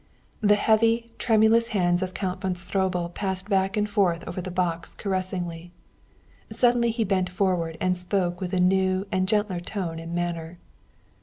The heavy, tremulous hands of Count von Stroebel passed back and forth over the box caressingly. Suddenly he bent forward and spoke with a new and gentler tone and manner.